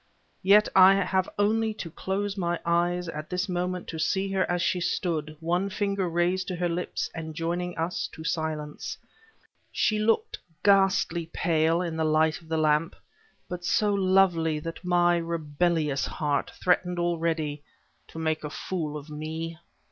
Yet I have only to close my eyes at this moment to see her as she stood, one finger raised to her lips, enjoining us to silence. She looked ghastly pale in the light of the lamp, but so lovely that my rebellious heart threatened already, to make a fool of me.